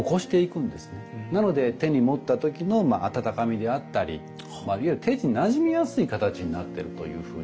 なので手に持った時の温かみであったりいわゆる手になじみやすい形になってるというふうに。